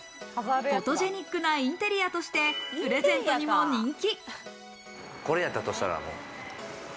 フォトジェニックなインテリアとしてプレゼントにも人気。